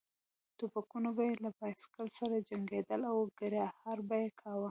ټوپکونه به یې له بایسکل سره جنګېدل او کړپهار به یې کاوه.